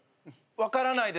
分からないです。